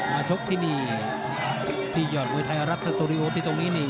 มาชกที่นี่ที่ยอดมวยไทยรับสตูรีโอไปตรงนี้